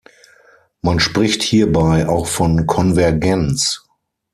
Man spricht hierbei auch von Konvergenz.